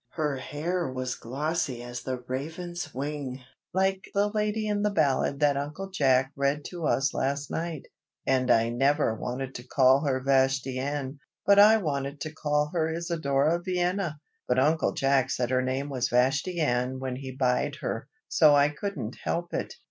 Her hair was gossy as the raven's wing, like the lady in the ballad that Uncle Jack read to us last night; and I never wanted to call her Vashti Ann, but I wanted to call her Isidora Vienna, but Uncle Jack said her name was Vashti Ann when he buyed her, so I couldn't help it."